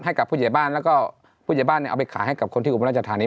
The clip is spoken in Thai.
ให้กับผู้เจ็บบ้านแล้วก็ผู้เจ็บบ้านเนี่ยเอาไปขายให้กับคนที่อุบันรัชธานี